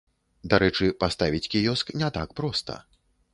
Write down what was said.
Дарэчы, паставіць кіёск не так проста.